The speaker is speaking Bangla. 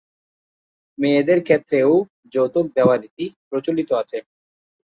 মেয়েদের ক্ষেত্রেও যৌতুক দেয়ার রীতি প্রচলিত আছে।